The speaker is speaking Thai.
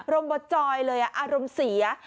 รมบ่จอยเลยอารมณ์เสีย